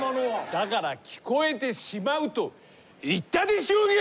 だから聴こえてしまうと言ったでしょうが！